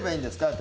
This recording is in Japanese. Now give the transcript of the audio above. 私。